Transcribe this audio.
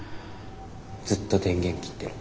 ずっと電源切ってる。